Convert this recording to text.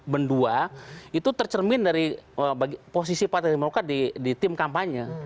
berdua itu tercermin dari posisi partai demokrat di tim kampanye